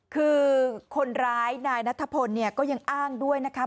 คือคนร้ายนายนัทพลเนี่ยก็ยังอ้างด้วยนะคะ